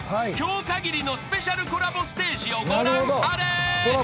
［今日かぎりのスペシャルコラボステージをご覧あれ。